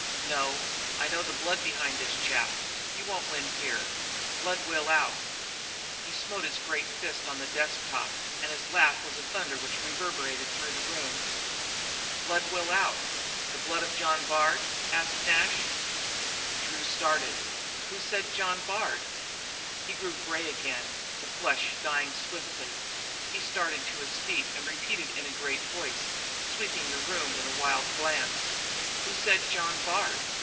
"No. I know the blood behind that chap. You won't win here. Blood will out." He smote his great fist on the desk top and his laugh was a thunder which reverberated through the room. "Blood will out? The blood of John Bard?" asked Nash. Drew started. "Who said John Bard?" He grew grey again, the flush dying swiftly. He started to his feet and repeated in a great voice, sweeping the room with a wild glance: "Who said John Bard?"